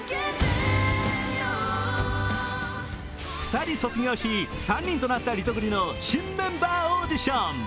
２人卒業し、３人となったリトグリの新メンバーオーディション。